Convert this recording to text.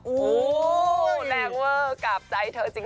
โหแรงเวอร์กราบใจเธอจริงค่ะ